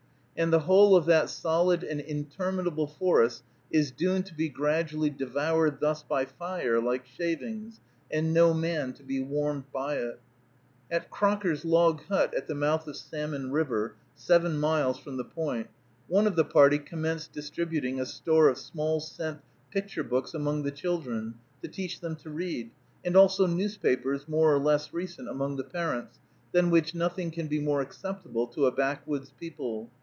And the whole of that solid and interminable forest is doomed to be gradually devoured thus by fire, like shavings, and no man be warmed by it. At Crocker's log hut, at the mouth of Salmon River, seven miles from the Point, one of the party commenced distributing a store of small, cent picture books among the children, to teach them to read, and also newspapers, more or less recent, among the parents, than which nothing can be more acceptable to a backwoods people.